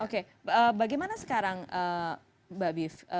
oke bagaimana sekarang mbak biv